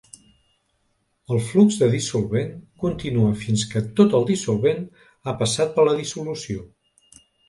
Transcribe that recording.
El flux de dissolvent continua fins que tot el dissolvent ha passat a la dissolució.